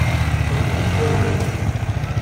Qelbemt tawṛiqt.